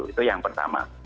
itu yang pertama